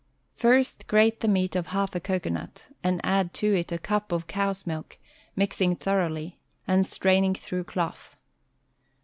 First grate the meat of half a cocoanut, and add to it a cup of (cow's) milk, mixing thoroughly, and straining through cloth.